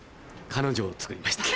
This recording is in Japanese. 彼女をつくりました。